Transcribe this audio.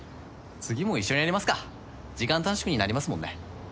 次も一緒にやりますか時間短縮になりますもんね。